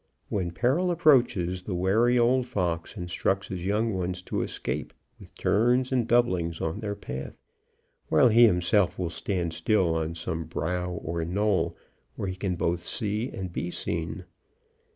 When peril approaches, the wary old fox instructs his young ones to escape with turns and doublings on their path, while he himself will stand still on some brow or knoll, where he can both see and be seen.